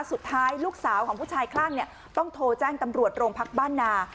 สุดท้ายลูกสาวของผู้ชายคลั่งเนี่ยต้องโทรแจ้งตำรวจโรงพักบ้านนา